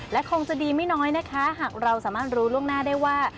และคงจะดีไม่น้อยนะคะหากเราสามารถรู้ล่วงหน้าได้ว่า